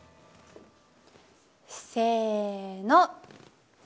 せの！